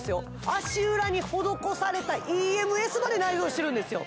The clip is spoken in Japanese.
足裏に施されたＥＭＳまで内蔵してるんですよ